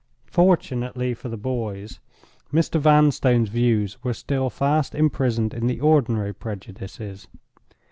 Fortunately for the boys, Mr. Vanstone's views were still fast imprisoned in the ordinary prejudices.